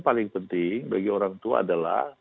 paling penting bagi orang tua adalah